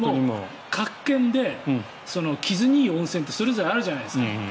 各県で傷にいい温泉ってそれぞれあるじゃないですか。